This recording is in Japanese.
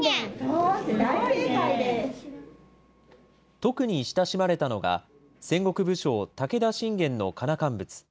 特に親しまれたのが、戦国武将、武田信玄のかなかんぶつ。